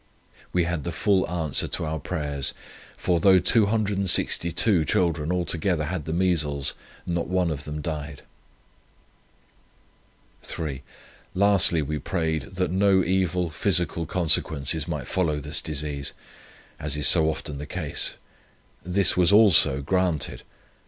We had the full answer to our prayers; for though 262 children altogether had the measles, not one of them died. 3. Lastly we prayed, that no evil physical consequences might follow this disease, as is so often the case; this was also granted.